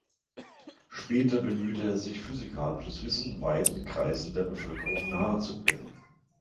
Später bemühte er sich, physikalisches Wissen weiten Kreisen der Bevölkerung nahezubringen.